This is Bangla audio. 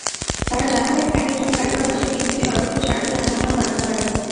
তাঁরা জানালেন, একেকজন কারিগর মাসে তিন থেকে সর্বোচ্চ চারটি হারমোনিয়াম বানাতে পারেন।